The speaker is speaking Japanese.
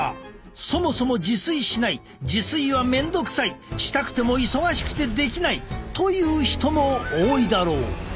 そもそも自炊しない自炊は面倒くさいしたくても忙しくてできないという人も多いだろう。